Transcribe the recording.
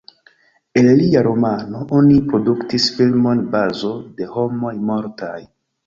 El lia romano oni produktis filmon Bazo de homoj mortaj.